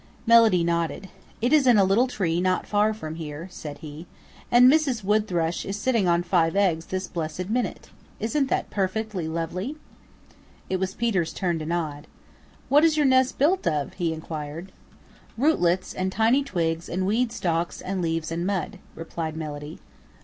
Melody nodded. "It is in a little tree not far from here," said he, "and Mrs. Wood Thrush is sitting on five eggs this blessed minute. Isn't that perfectly lovely?" It was Peter's turn to nod. "What is your nest built of?" he inquired. "Rootlets and tiny twigs and weed stalks and leaves and mud," replied Melody.